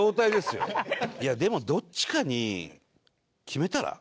いやでもどっちかに決めたら？